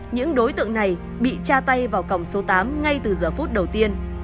những đối tượng này bị tra tay vào còng số tám ngay từ giờ phút đầu tiên